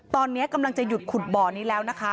ตอนนี้กำลังจะหยุดขุดบ่อนี้แล้วนะคะ